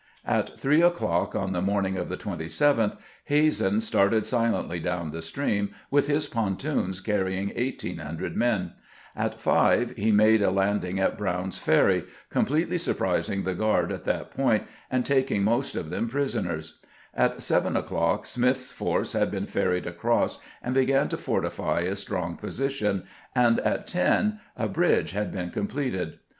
At three o'clock on the morn OPENING "the CRACKEB LINE" 9 ing of the 27th, Hazen started silently down the stream, "with his pontoons carrying 1800 men ; at five he made a landing at Brown's Ferry, completely surprising the guard at that point, and taking most of them prisoners ; at seven o'clock Smith's force had been ferried across, and began to fortify a strong position; and at ten a bridge had been completed.